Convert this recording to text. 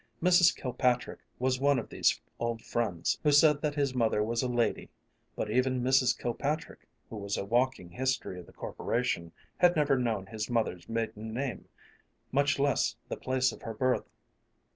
Mrs. Kilpatrick was one of these old friends, who said that his mother was a lady, but even Mrs. Kilpatrick, who was a walking history of the Corporation, had never known his mother's maiden name, much less the place of her birth.